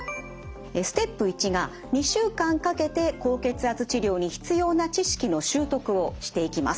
ステップ１が２週間かけて高血圧治療に必要な知識の習得をしていきます。